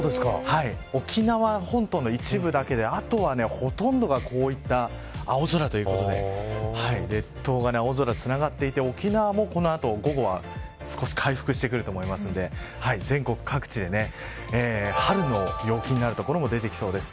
沖縄本島の一部だけであとはほとんどがこういった青空ということで列島が青空でつながっていて沖縄もこの後、午後は少し回復してくると思うので全国各地で春の陽気になる所も出てきそうです。